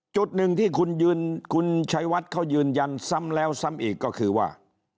จุดหนึ่งที่คุณชัยวัดเขายืนยันซ้ำแล้วซ้ำอีกก็คือว่า